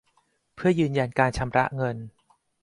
เพื่อยืนยันการชำระเงิน